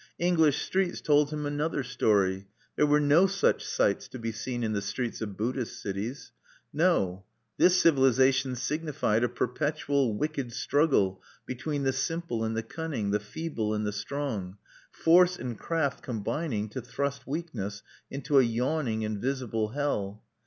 English streets told him another story: there were no such sights to be seen in the streets of Buddhist cities. No: this civilization signified a perpetual wicked struggle between the simple and the cunning, the feeble and the strong; force and craft combining to thrust weakness into a yawning and visible hell.